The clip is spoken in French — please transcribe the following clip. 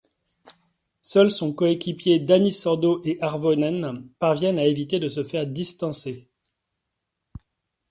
Seuls son coéquipier Dani Sordo et Hirvonen parviennent à éviter de se faire distancer.